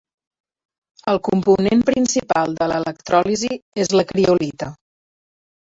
El component principal de l'electròlisi és la criolita.